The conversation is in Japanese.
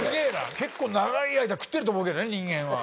結構長い間食ってると思うけどね人間は。